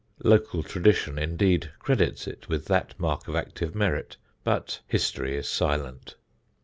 (Local tradition indeed credits it with that mark of active merit, but history is silent.)